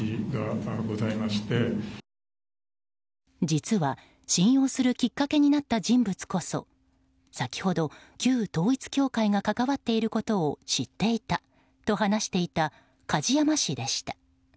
実は信用するきっかけになった人物こそ先ほど、旧統一教会が関わっていることを知っていたと話していた梶山氏でした。